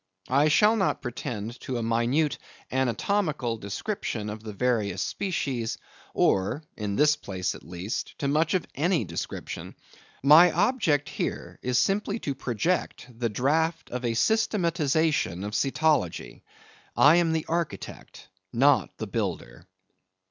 I shall not pretend to a minute anatomical description of the various species, or—in this place at least—to much of any description. My object here is simply to project the draught of a systematization of cetology. I am the architect, not the builder.